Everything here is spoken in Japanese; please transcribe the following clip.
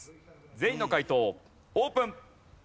全員の解答オープン。